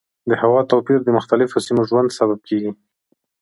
د هوا توپیر د مختلفو سیمو د ژوند سبب کېږي.